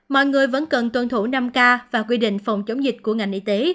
mọi người vẫn cần tuân thủ năm k và quy định phòng chống dịch của ngành y tế